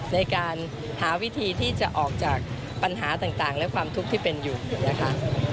ในการหาวิธีที่จะออกจากปัญหาต่างและความทุกข์ที่เป็นอยู่นะคะ